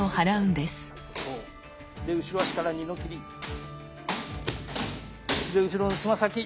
で後ろのつま先。